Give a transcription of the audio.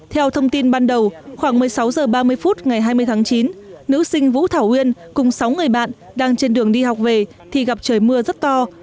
theo thông tin ban đầu khoảng một mươi sáu h ba mươi phút ngày hai mươi tháng chín nữ sinh vũ thảo uyên cùng sáu người bạn đang trên đường đi học về thì gặp trời mưa rất to